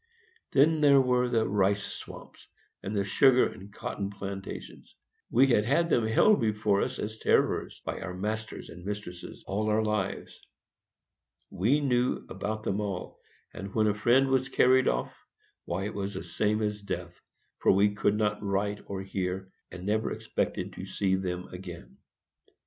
Then there were the rice swamps, and the sugar and cotton plantations; we had had them held before us as terrors, by our masters and mistresses, all our lives. We knew about them all; and when a friend was carried off, why, it was the same as death, for we could not write or hear, and never expected to see them again.